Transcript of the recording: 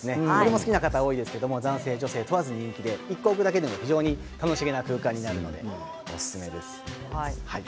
好きな方、多いですけど男性、女性問わず人気で１個を置くだけでも楽しげな空間になります、おすすめです。